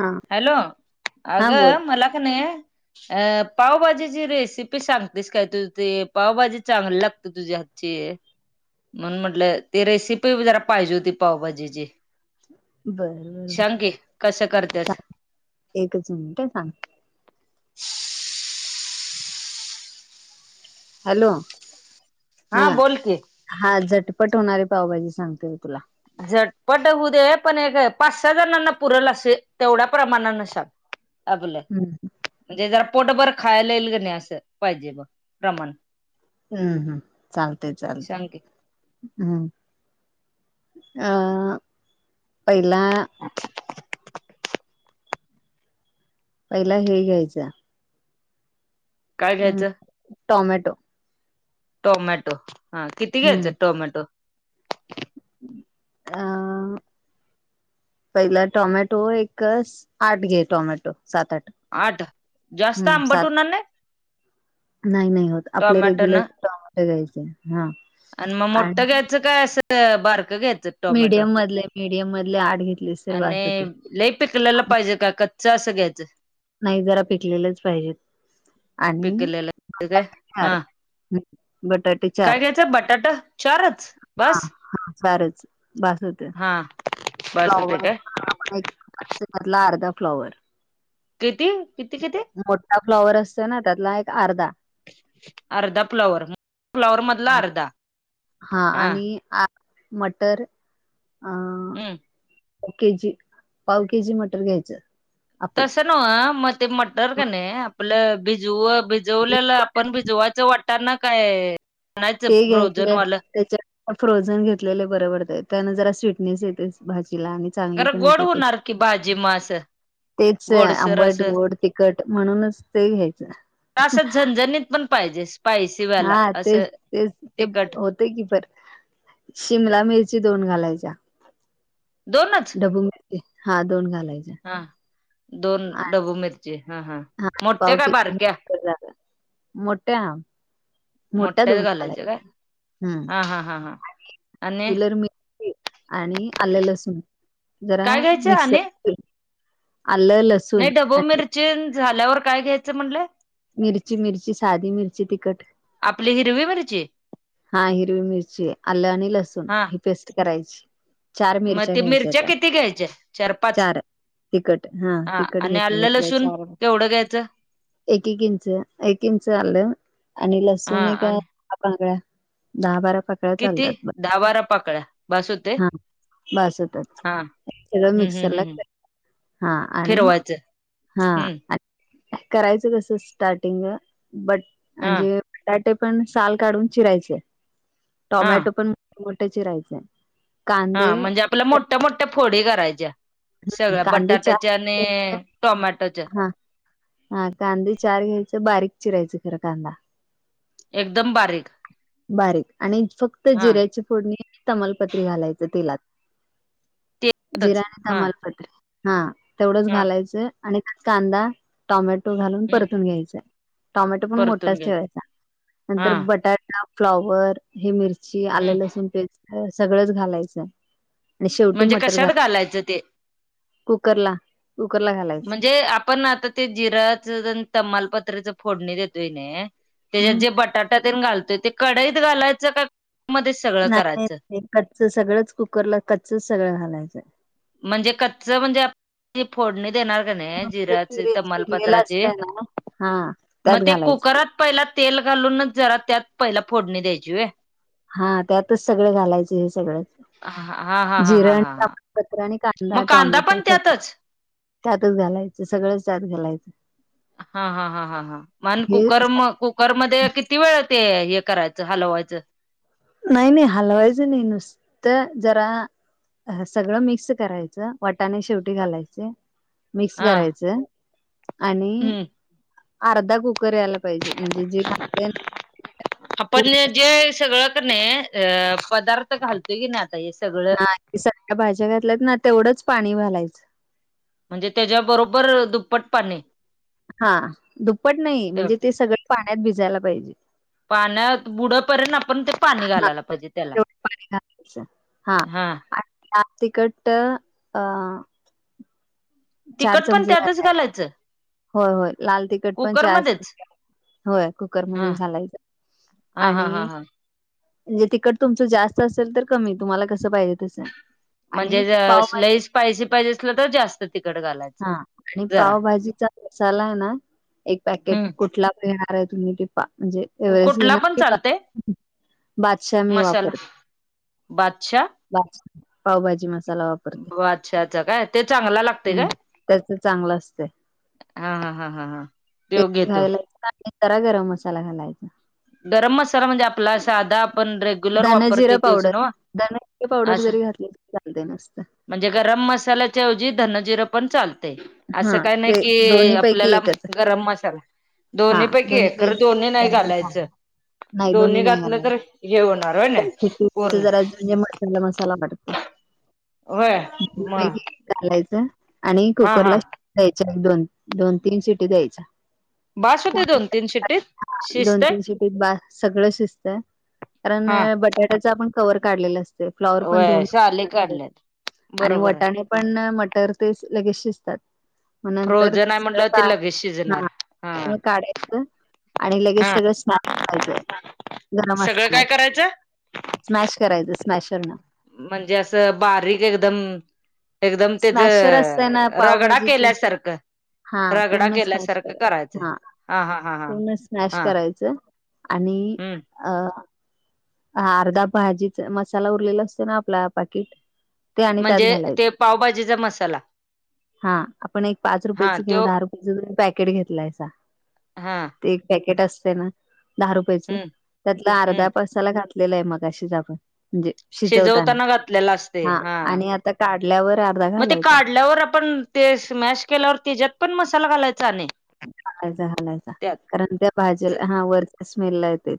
हा हॅलो हा बोल अगं मला का नाही. अ पावभाजीची रेसिपी सांगतेस काय तू ते पावभाजी चांगली लागते तुझ्या हात.. म्हण म्हंटलं ती रेसिपी जरा पाहिजे होती पावभाजीची. बर बर सांग की कसं करतेस बर एकच मिनिट अं थांबा. [inaudible] हॅलो हा बोल की हा झटपट होणारी पावभाजी सांगते मी तुला. झटपट होऊ दे पण एक पाच सहा जणांना पुरल असे तेवढ्या प्रमाणान सांग. हा बोला हम्. म्हणजे जरा पोटभर खायला येईल नाही असं पाहिजे ब प्रमाण. हम्म हम्म चालते चालते. सांग की हम् अ पहिला.. पहिला हे घ्यायचं. काय घ्यायचं? टोमॅटो. टोमॅटो, हा किती घ्यायचं हम्म टोमॅटो? अं.. पहिला टॉमॅटो एक आठ घे टॉमॅटो सात -आठ. आठ जास्त हम्म आंबट सात होणार नाही. नाही नाही होत आपले टोमॅटो न रेग्युलर टॉमॅट घ्यायचे. हा आणि मग मोठं आणि घ्यायचं काय?, असं बारकं घ्यायचं. टोमॅटो मीडियम मधले मीडियम मधले आठ घेतलीस तरी बास आणि होतय. लई पिकलेलं पाहिजे का कच्च असं घ्यायचं. नाही जरा पिकलेलेच पाहिजेत. पिकलेलं काय चार हा, बटाटे काय चार घ्यायचंय बटाटा चारच. हा बस हा चारच बास होते... हा बस होते काय त्याचेमधला अर्धा फ्लॉवर. किती, किती किती. मोठा फ्लॉवर असतो ना त्यातला एक अर्धा. अर्धा फ्लॉवर फ्लॉवर मधला अर्धा हा ह मटर अ हम्म पाऊ केजी पाव के जी मटर घ्यायचं. आपले तस न वं मग ते मटर का नाही आपलं भिजू जेवलेलं आपण भिजवायच वाटण ना काय आणयच ते फ्रोजन घ्यायचं वालं त्याच्या फ्रोझन घेतलेले बरबरत त्यान जरा स्वीटनेस येते. भाजीला आणि चांगली खरं पण गोड येतात टेक् होणार की भाजी म असं तेच गोडसर आंबट असं गोड तिखट म्हणूनच ते घ्यायचं. तास झनझणीत पण पाहिजे. हा स्पायसीवाला तेच असं तेच ते.. तिखट तेकी बर, शिमला मिरची दोन घालायच्या. दोनच. हा दोन घालायचे हा दोन डबू मिरची हा हां हा पाव किती मोठ्या [unintelligible] मोठ्या मोठ्याच दोनाला घालायच्या काय हा हा हा हा आणि हम्लर म [inaudible] आणि आले लसूण जरा काय घ्यायचं मिक्स आणि अलं ल नाही ढोबळी मिरचीचें झाल्यावर काय घ्यायचं म्हणलं मिरची मिरची साधी मिरची तिखट आपली हिरवी म्हणाची. हा हिरवी मिरची आलं आणि लसूण हा ही पेस्ट करायची. चार मग मिरच्या ते घ्यायच्या त्या किती घ्यायच्या पाच चार तिकट हा तिकट आणि आलं घेतली. लसूण चार केवढं घ्यायचं एक एक इंच एक इंच आलं आणि हा लसूण आहे आणि काग दहा बारा पाक् किती दा बारा पाकळ्या बसू ते भासतात सगळ हम्म मिक्सर हम्म ला हम्म हा आणि फिरवायचं हा हम्म करायचं कसं स्टार्टिंग बट हा म्हणजे बटाटे पण साल काढून चिरायचे हा टॉमॅटो पण मोठ मोठे चिरायचे हा कांदे म्हणजे आपल्याला मोठ्या मोठ्या फोडी करायच्या सगळ्या कांदे चार बटाट्याच्या आणि टोमॅटोच्या हा हा कांदे चार घ्यायचं बारीक चिरायचं खर कांदा एकदम बारीक बारीक आणि फक्त हा जिऱ्याची फोडणी तमालपत्री घालायच तेलात जिरा तेलातच आणि हा तमालपत्री हा तेवढंच हा घालायचं आणि कांदा टॉमॅटो घालून हम्म परतून घ्यायचाय टॉमॅटो पण परतून मोठाच घ्यायच ठेवायचा हा नंतर बटाटा फ्लॉवर हे मिरची हम्म आले लसूण पेज सगळंच घालायचं आणि शेवटी मटर घालाय लायचं ते कुकर ला उकरला घाला म्हणजे आपण आता ते जिराच तमालपत्राच फोडणी देतोय नाही. त्याच्यात हम् जे बटाट्या ते घालतोय ते कडाईत घालायचं का मध्ये सगळं नाही करायचं नाही कच्च सगळंच कुकरला कच्चच सगळं घालायचंय. म्हणजे कच्च म्हणजे ती फोडणी देणार का नाही मस्त जिरायाचे चिरे चिरलेला तमालपत्राची असतय ना हा मग त्यात ते घालाय. कुकरात पहिला तेल घालूनच जरा त्यात पहिला फोडणी द्यायची आहे हा त्यातच सगळ घालायचं हे सगळं हा हा हा हा जिर हा हा हा कापत्र आणि का मग कडा कांदा टोमॅटो पण सगळ त्यातच त्यातच घालायच सगळं त्यात घालायचं हा हा हा हा हा म हे कुकर म करमध्येध्ये किती वेळ ते हे करायचं हलवायचं नाही नाही हलवायच नाही नुसत जरा अ सगळं मिक्स करायचं वाटाने शेवटी घालायचे मिक्स हा करायचं आणि हम्म अर्धा कुक ककर यायला पाहिजे. [inaudible] म्हणजे जे ते सगळं कर नाही अ पदार्थ घालतोय की नाही. आता हे सगळं हा सगळ्या भाज्या घातल्यात ना तेवढंच पाणी घालायचं म्हणजे त्याच्या बरोबर दुप्पट पाने हा दुप्पट नाही म्हणजे ते सगळं पाण्यात भिजायला पाहिजे पाण्यात बुडपर्यंत आपण ते पाणी घालायला पाहिजे त्याला अच्छ हा जास्तिकट अ चार तिखट पण चमचे त्यातच घालायचं होय होय लाल तिखट पण चार चम कुकरमध्येच होय हा कुकरमध्येध्ये झालायच हा हा हा हां म्हणजे तिकट तुमचं जास्त असेल तर कमी तुम्हाला कसं पाहिजे तसं आणि म्हणजे पावभाजी लई स्पायसी पाहिज असलं तर जास्त तिकड घालायच हा आणि पावभाजीचा मसाला आहे ना एक पॅकेट हम्म कुठला र आहे तुम्ही टिपा म्हणजे एवेस कुठला घेणार पण की चालतय बादशा मी मसाला वापरत बादशाह पावभाजी मसाला वापरते अच्छा अच्छ काय ते चांग लाग हम्म त्याच चांगलं असत हा हा हा हा हा तो तेयला घेतो जरा गरम मसाला घालायचा गरम मसाला म्हणजे आपला साधा ण रेग्युलर धनजिरा वापरतेच पावडर धनजिरा पावडर जरी घातली तरी चालते नसतं म्हणजे गरम मसाल्याच्याऐवजी धन जिरं पण चाल असं हा काय नाही ते कि दोन्ही पैकी आपल्याला एकच गरम मसाला दोन्ही पैकी एक खरं दोन्ही नाही घालायचं नाही दोन्ही नाही घातलं तर घालायचं ये होणार आहेय ना खिचडीचं पर्ण जरा म्हणजे मसाला मसाला होय वाटतैकी म घालायचं आणि हा हा कुकरला द्यायच्या दोन दोन तीन शिटी द्यायच्या बास होते हा दोन तीन शिट्टीत दोन शिजतय तीन शिटी बा सगळं शिजतय कारण बटाट्याच आपण कवर काढलेलं असत फ्लाॉवर पण ध व्हय साली काढल्यात आणि बरोबर आहे वटाणे पण मटर ते लगेच शिजतात मग नंतर फ्रोझन आहे म्हटल्यावर ते ह लगेच शिजणार हा काढायचं आणि लगेच हा सगळं स्नान करायचं गरम सगळं काय असतानाच करायचं स्मॅश करायचं स्मॅशर ना म्हणजे असं बारीक एकदम एकदम त्याच स्मॅशर असतय ना रगडा पावभाजीच केल्यासारखं हा रगडा पूर्ण स्मॅश केल्यासारखं करायचं हा हा हा हा पूर्ण स्मॅश हा करायचं आणि हम्म अ अर्धा भाजीचा मसाला उरलेला असत ना आपल्या पाकीिट म्हणजे ते पावभाजीचा मसाला हा आपण एक पाच रुपयाच हा किंवा तो दहा रुपयच पॅकेट घेतलाय सा हा. एक पॅकेट असतय ना दहा रुपच हम्म त्यातल अर्धा हम्म पास ला घातलेलं आहे मगाशीच आपण म्हणजे शिजवताना हा आणि आता काढल्यावर आ मग ते काढल्यावर आपण ते स्मॅश केल्यावर त्यच्यात पण मसाला घालायचा आणि घालायच घालायचा त्यात कारण त्या भाजीला हा वरच्या स्मेल ला येतोय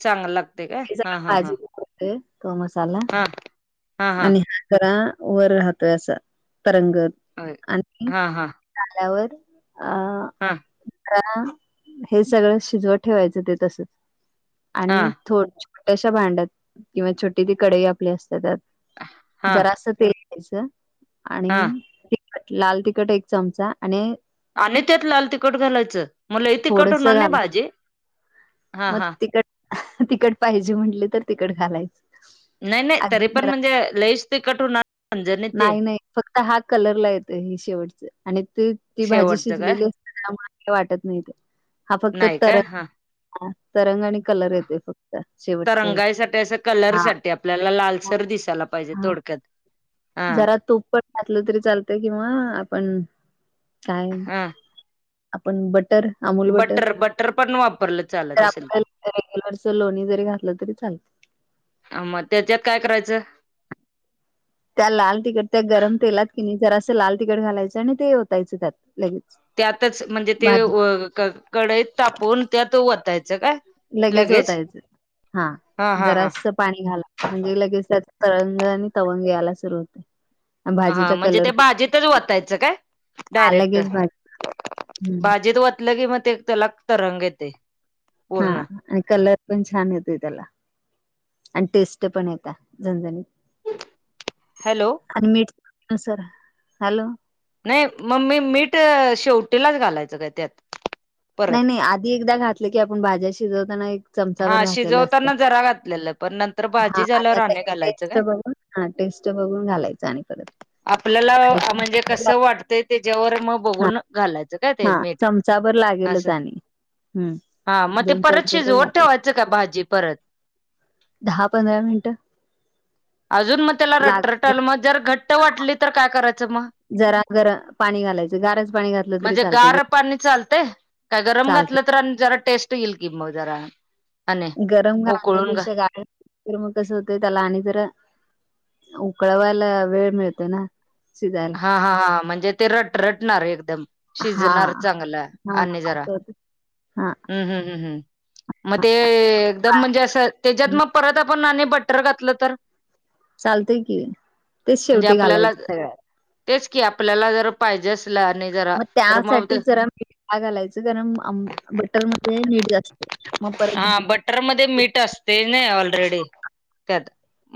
चांगल लागतय काय हा हा हा तो मसाला हा हा आणि घरा वर राहतोय असा तरंगत हा आणि हा हा झाल्यावर आ हा. हे सगळं शिजवत ठेवायचं ते तसच आणि ो हा छोट्याश्या भांड्यात किंवा छोटी ती कडई आपली असते त्यात हा जरास तेल घ्यायच आणि हा लाल तिखट एक चमचा आणि आणि त्यात लाल तिकखट घालायचं म लई तिखट थोडस होणार नाही घाल भाजी हा मग हा तिकड तिकड पाहिजे म्हटली तर तिकड घालायचं नाही नाही तरी अगदी पण जरा म्हणजे लईच तिखट हुणार नाही नाही फक्त हा कलरला येतोय हे शेवटच आणि त ती भाजी शेवटचं काय शिजलेली अस काय वाटत नाही का नाही काय हा हा त रंग आणि कलर येतोय फ [unintelligible] तरंगायसाठी असं कलर हा साठी आपल्याला लालसर दिसायला पाहिजे हा थोडक्यात हा जरा तूप पण घातलं तरी चालतय किंवा आपण काय हा आपण बटर अमूल बटर पण वापरलं चालत असेल की आपल्याला रेगुलरच लोणी जरी घातलं तरी चालतय मग त्याच्यात काय करायचं त्या लाल तिखट त्या गरम तेलात किणी जरा असं लाल तिखट घालायचं आणि ते ओतायचं त्यात लगेच त्यातच म्हणजे ते भाजी व क कडईत तापून त्यात वतायचं काय? लगेच ओतायच हा हा हा जरास पाणी घाला म्हणजे लगेच तरंग आणि तवंग यायला सुरु होतोय हा म्हणजे ते बाजीतच वतायचं काय हा डायरेक्ट लगेच भाजी हम्म भाजीत वतल की मग ते त्याला रंग येतय हा. आणि कलर पण छान येतोय त्याला आणि टेस्ट पण येत्या जणजणीत हॅलो. आणि मीठ नुसार हॅलो. नाही म मी मीठ शेवटीलाच घालायचं काय त्यात? परत नाही नाही आधी एकदा घातलं की आपण भाज्या शिजवताना एक चमचाभर हा घातलेलं असत शिजवताना जरा घातलेलं पण नंतर हा भाजी आणि झाल्यावर आता घालायचं टेस्ट काय बघून हा टेस्ट बघून घालायच आणि परत आपल्याला म्हणजे कसं वाटतंय त्याच्यावर म हा बघून घालायचं काय ते हा मीठ चमचाभर लागेलच असं आणि हम्म हा मग ते दोन परत चमचे तर शिजवत लागतेच ठेवायचं का भाजी परत दहा पंधरा मिनिटं अजून मग त्याला लाग रटरटल मग जर घट्ट वाटली तर काय करायचं म जरा जरा पाणी घालायचं गारज पाणी घातलं तरी म्हणजे चाल गार पाणी चालतय काय गरम चालते घातलं तर आणि जरा टेस्ट येईल की मग जरा आणि गरम उकळून घा खाण्यापेक्षा गाय मग कसं होतंय त्याला आणि ज उकळवायला वेळ मिळतो ना सिधा हा हा हां म्हणजे ते रटरटणार एकदम हा शिजणार चांगलं हा आणि जरा असं होत हा हम्म हम्म हम्म हम् मग ते एकदम म्हणजे असं. त्याच्यात मग परत आपण ना बटर घातलं तर चालतय की तेच म्हणजे शेवटी आपल्याला घालायचं सगळ्यात. तेच की आपल्याला जर पाहिजे असल आणि जरा मग तर मग त्यासाठी जरा का घालायचं कारण बटर मध्ये मीठ जास्त. मग परत हा भाजी बटर मध्ये मीठ असतय नी ऑलरेडी त्यात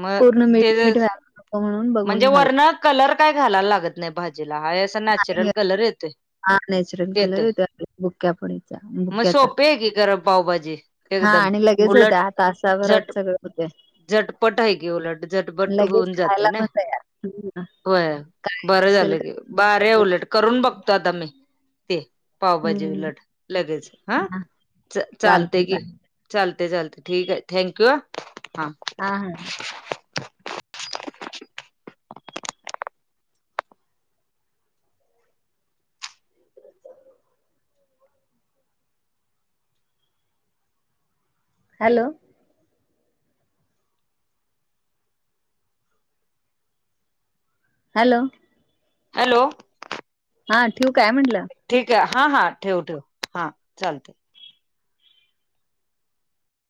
म पूर्ण ते मीठ मीठ ज व्हायला नको म्हणून म्हणजे बघून घाला वर्ण कलर काय घालायला लागत नाही भाजीला हाय अस नॅचरल कलर येतोय हा नॅचरल कलर येतोय येतो बुक्या फुडीचा मग बुक्याचा सोपी आहे की गरम पावभाजी हा एकदम आणि लगेच होत्या उलट आ झट तासावरच सगळ होते. झटपट आहे की उलट झटपट होऊन जात. खायला ना पण तयार होय काय बरं असेल झालं का कि बरे लगेच उलट करून बघतो आता मी ते पावभाजी हम्म उलट लगेच हा चालते चालतय कि चालतय लते लते ठीक आहे थँंक यू ह हां हा हा हां [unintelligible] हॅलो हॅलो हॅलो हा ठेव काय म्हंटलं ठीक आहे हा हा ठेव ठेव हा चालते